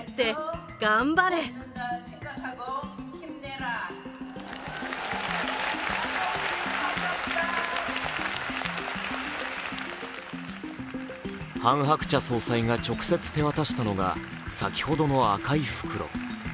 更にハン・ハクチャ総裁が直接手渡したのが先ほどの赤い袋。